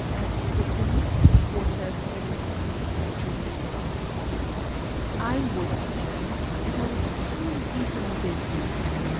at the police headquarters in C street." I was "F.," and I was soon deep in business.